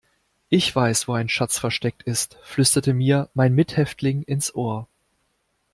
Ich weiß, wo ein Schatz versteckt ist, flüsterte mir mein Mithäftling ins Ohr.